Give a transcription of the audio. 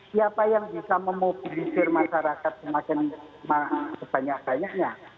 siapa yang bisa memobilisir masyarakat semakin sebanyak banyaknya